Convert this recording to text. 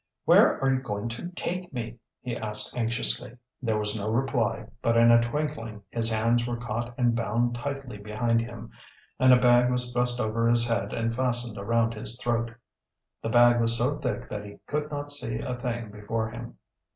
"Where are you going to take me?" he asked anxiously. There was no reply, but in a twinkling his hands were caught and bound tightly behind him, and a bag was thrust over his head and fastened around his throat. The bag was so thick that he could not see a thing before him.